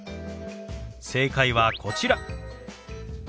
正解はこちら。